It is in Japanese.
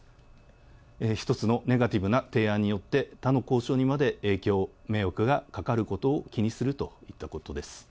１つのネガティブな提案によって、他の交渉にまで影響、迷惑がかかることを気にするといったことです。